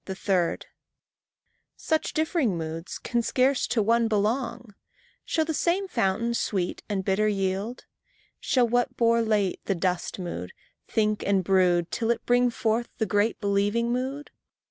3. Such differing moods can scarce to one belong; Shall the same fountain sweet and bitter yield? Shall what bore late the dust mood, think and brood Till it bring forth the great believing mood?